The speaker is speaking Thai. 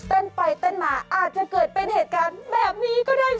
เต้นไปเต้นมาอาจจะเกิดเป็นเหตุการณ์แบบนี้ก็ได้